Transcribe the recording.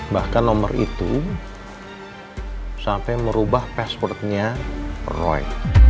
bahkan nomor itu sampai merubah passwordnya roy